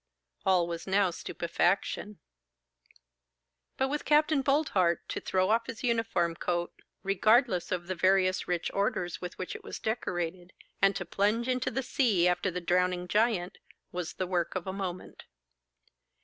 All was now stupefaction. But with Capt. Boldheart, to throw off his uniform coat, regardless of the various rich orders with which it was decorated, and to plunge into the sea after the drowning giant, was the work of a moment.